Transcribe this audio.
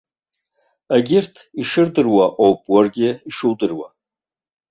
Егьырҭ ишырдыруа ауп уаргьы ишудыруа.